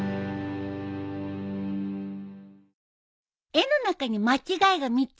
絵の中に間違いが３つあるよ。